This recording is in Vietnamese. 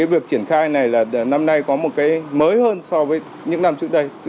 việc triển khai này là năm nay có một cái mới hơn so với những năm trước đây